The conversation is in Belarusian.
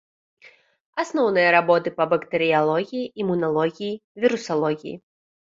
Асноўныя работы па бактэрыялогіі, імуналогіі, вірусалогіі.